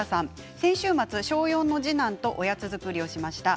先週末、小４の次男とおやつ作りをしました。